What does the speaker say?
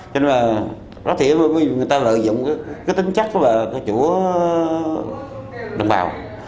cho nên là đối tượng người ta lợi dụng cái tính chất của chủ đồng bào